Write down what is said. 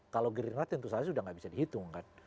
kalau gerirna tentu saja sudah tidak bisa dihitungkan